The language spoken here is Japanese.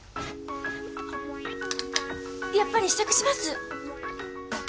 やっぱり試着します！